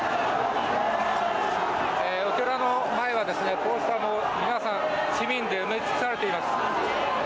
お寺の前は、こうした市民で埋め尽くされています。